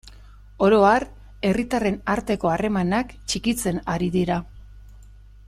Oro har, herritarren arteko harremanak txikitzen ari dira.